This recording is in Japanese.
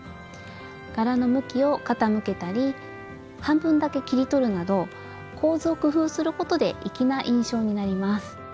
柄の向きを傾けたり半分だけ切り取るなど構図を工夫することで粋な印象になります。